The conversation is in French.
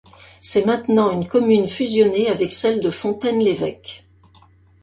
C'est maintenant une commune fusionnée avec celle de Fontaine-l'Évêque.